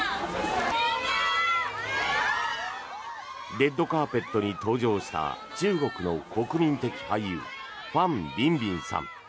レッドカーペットに登場した中国の国民的俳優ファン・ビンビンさん。